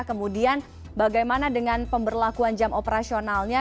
kemudian bagaimana dengan pemberlakuan jam operasionalnya